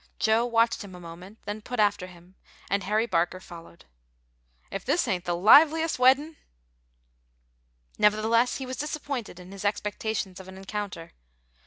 Joe watched him a moment, then put after him, and Harry Barker followed. "If this ain't the liveliest weddin'!" Nevertheless, he was disappointed in his expectations of an encounter.